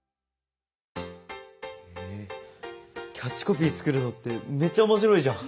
へえキャッチコピー作るのってめっちゃ面白いじゃん！